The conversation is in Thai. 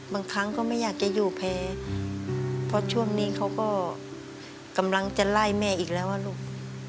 ครั้งก็ไม่อยากจะอยู่แพ้เพราะช่วงนี้เขาก็กำลังจะไล่แม่อีกแล้วอ่ะลูก